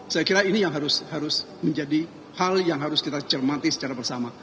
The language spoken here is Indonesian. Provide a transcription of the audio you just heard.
saya kira ini yang harus menjadi hal yang harus kita cermati secara bersama